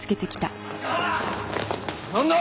なんだ？